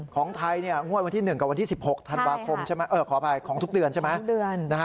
ของไทยงวดวันที่๑กับวันที่๑๖ธันวาคมใช่ไหมขออภัยของทุกเดือนใช่ไหม